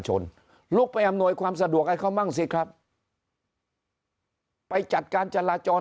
ลุกไปอำนวยความสะดวกให้เขามั่งสิครับไปจัดการจราจร